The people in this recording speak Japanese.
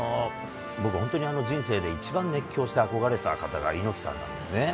僕、本当に人生で一番熱狂して憧れた方が猪木さんなんですね。